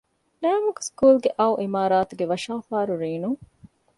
ޅައިމަގު ސްކޫލްގެ އައު އިމާރާތުގެ ވަށާފާރު ރޭނުން